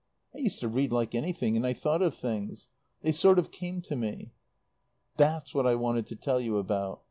I used to read like anything; and I thought of things. They sort of came to me. "That's what I wanted to tell you about.